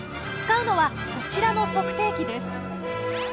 使うのはこちらの測定器です。